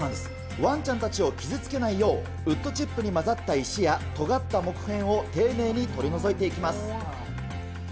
ワンちゃんたちを傷つけないよう、ウッドチップに交ざった石や、とがった木片を丁寧に取り除いていきます。